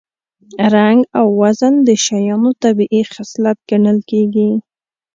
رنګ او وزن د شیانو طبیعي خصلت ګڼل کېږي